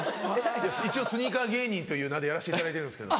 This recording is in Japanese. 一応スニーカー芸人という名でやらせていただいてるんですけど。